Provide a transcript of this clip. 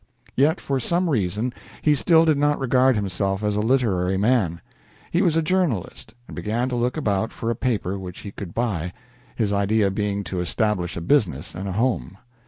Yet for some reason he still did not regard himself as a literary man. He was a journalist, and began to look about for a paper which he could buy his idea being to establish a business and a home.